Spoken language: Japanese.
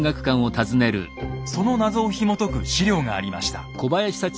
その謎をひもとく史料がありました。